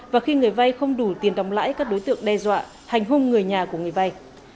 và khi người vay không đủ tiền đóng lãi các đối tượng đe dọa hành hung người nhà của người vay